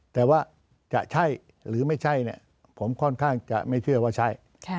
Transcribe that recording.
แต่ว่าจะใช่หรือไม่ใช่ผมค่อนข้างจะไม่เชื่อว่าใช่